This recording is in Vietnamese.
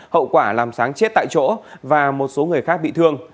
hậu quả làm sáng chết tại chỗ và một số người khác bị thương